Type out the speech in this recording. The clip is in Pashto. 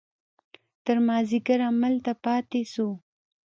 تر مازديګره هملته پاته سو.